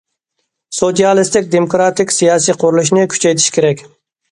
سوتسىيالىستىك دېموكراتىك سىياسىي قۇرۇلۇشنى كۈچەيتىش كېرەك.